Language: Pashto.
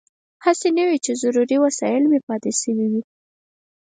هسې نه وي چې ضروري وسایل مې پاتې شوي وي.